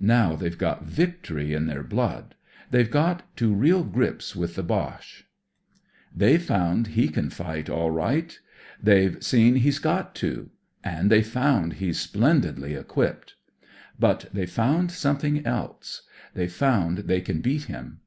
Now they've got victory in their blood. They've got to real grips with the Boche. The^ * re foimd he can fight all right. T ^ e seen he's got to. And they've fo i.^ he's splendidly equipped. But they've found something else. They've found they can beat him.